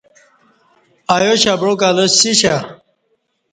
ایاشہ بعاکہ لسیشہ